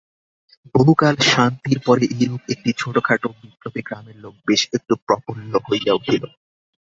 বহুকাল শান্তির পরে এইরূপ একটি ছোটোখাটো বিপ্লবে গ্রামের লোক বেশ একটু প্রফুল্ল হইয়া উঠিল।